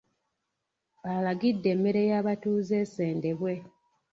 Alagidde emmere y’abatuuze esendebwe.